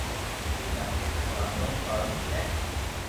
باقي سب واتو فالتو ھي